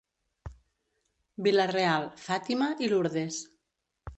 Vila-real, Fàtima i Lourdes.